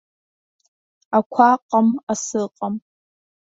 Ақәаҟам, асыҟам.